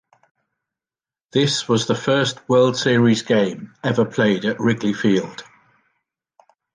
This was the first World Series game ever played at Wrigley Field.